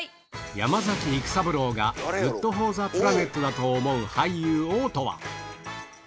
山崎育三郎がグッドフォーザプラネットだと思う俳優Ｏとは？